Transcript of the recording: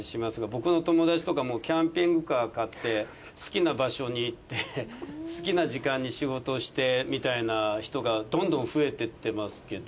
僕の友達とかもキャンピングカー買って好きな場所に行って好きな時間に仕事してみたいな人がどんどん増えていってますけど。